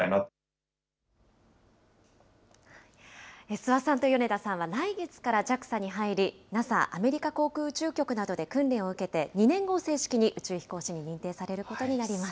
諏訪さんと米田さんは来月からＪＡＸＡに入り、ＮＡＳＡ・アメリカ航空宇宙局などで訓練を受けて、２年後、正式に宇宙飛行士に認定されることになります。